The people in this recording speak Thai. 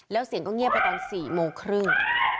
แล้วเสียงก็เงียบไปตอน๔โมงครึ่ง